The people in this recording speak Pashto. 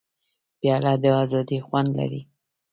پیاله د ازادۍ خوند لري.